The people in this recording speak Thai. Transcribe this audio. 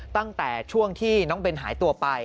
ตั้งแต่ช่วงที่น้องเบนหายตัวไป